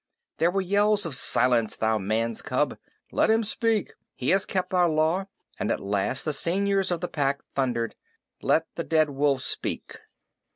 There were yells of "Silence, thou man's cub!" "Let him speak. He has kept our Law"; and at last the seniors of the Pack thundered: "Let the Dead Wolf speak."